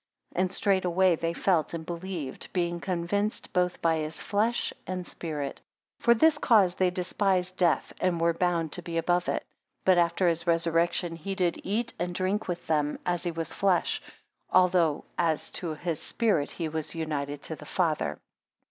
And straightway they felt and believed; being convinced both by his flesh and spirit. 11 For this cause they despised death, and were bound to be above it. 12 But after his resurrection he did eat and drink with them, as he was flesh; although as to his Spirit he was united to the Father.